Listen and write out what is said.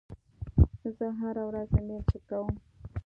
زه هره ورځ ایمیل چک کوم.